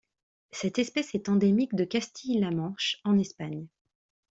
Cette espèce est endémique de Castille-La Manche en Espagne.